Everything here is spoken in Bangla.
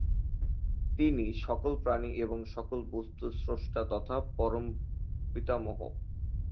তিনি সকল প্রাণী এবং সকল বস্তুর স্রষ্টা তথা পরম পিতামহ।